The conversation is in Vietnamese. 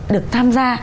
được tham gia